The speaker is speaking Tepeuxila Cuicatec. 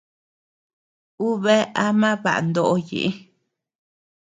Ú bea ama baʼa nóʼo ñeʼé.